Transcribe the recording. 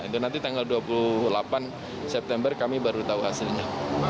itu nanti tanggal dua puluh delapan september kami baru tahu hasilnya